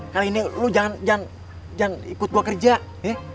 kali ini lu jangan ikut gue kerja ya